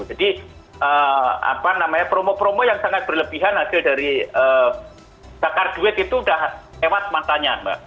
jadi apa namanya promo promo yang sangat berlebihan hasil dari bakar duit itu sudah lewat matanya mbak